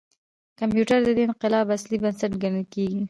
کمپیوټر د دې انقلاب اصلي بنسټ ګڼل کېږي.